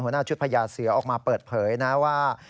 หน้าชุดพญาเสือออกมาเปิดเผยนะว่า